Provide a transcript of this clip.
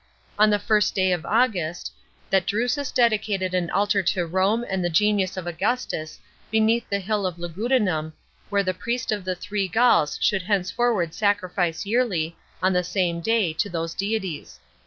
on the first day of August, that Drusus dedicated an altar to Rome and the genius of Augustus* beneath the hill of Lugudunum, where the priest of the three Gauls should henceforward sacrifice yearly, on the same day, to those deities.